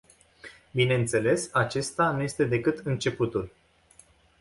Bineînțeles, acesta nu este decât începutul.